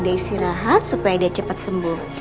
dia istirahat supaya dia cepat sembuh